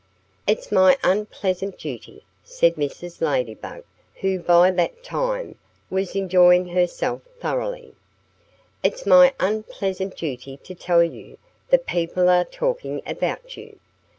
"It's my unpleasant duty " said Mrs. Ladybug, who by that time was enjoying herself thoroughly "it's my unpleasant duty to tell you that people are talking about you.